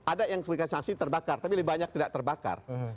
ada yang memberikan sanksi terbakar tapi lebih banyak tidak terbakar